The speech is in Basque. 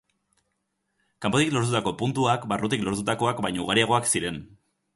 Kanpotik lortutako puntuak barrutik lortutakoak baino ugariagoak ziren.